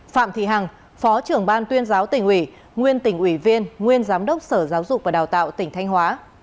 phạm thị hằng phó trưởng ban tuyên giáo tỉnh ủy nguyên tỉnh ủy viên nguyên giám đốc sở giáo dục và đào tạo tỉnh thanh hóa